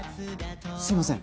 すいません。